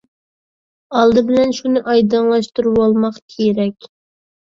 ئالدى بىلەن شۇنى ئايدىڭلاشتۇرۇۋالماق كېرەك.